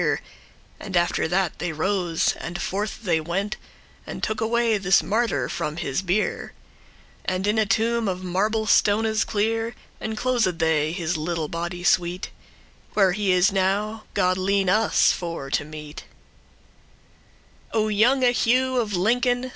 *praising And after that they rose, and forth they went, And took away this martyr from his bier, And in a tomb of marble stones clear Enclosed they his little body sweet; Where he is now, God lene* us for to meet. *grant O younge Hugh of Lincoln!